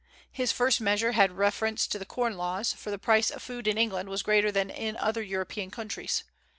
His first measure had reference to the corn laws, for the price of food in England was greater than in other European countries.